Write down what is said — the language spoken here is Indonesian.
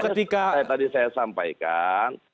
tadi saya sampaikan